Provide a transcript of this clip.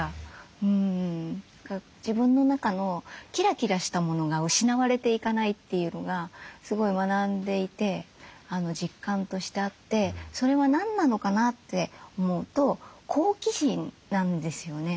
自分の中のキラキラしたものが失われていかないというのがすごい学んでいて実感としてあってそれは何なのかなって思うと好奇心なんですよね。